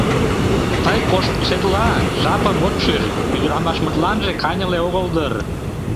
— Тый, коштшетла, жапым от шиж, ӱдырамашмытланже каньыле огыл дыр?